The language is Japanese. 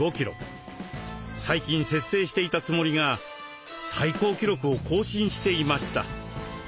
最近節制していたつもりが最高記録を更新していました。